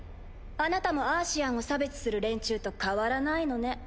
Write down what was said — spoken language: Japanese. あなたもアーシアンを差別する連中と変わらないのね。